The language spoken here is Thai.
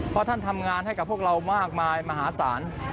เพราะท่านทำงานให้กับพวกเรามากมายมหาศาล